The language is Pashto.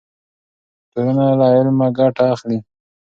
ټولنه له علمه ګټه اخلي.